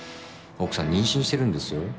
奥さん妊娠してるんですよ。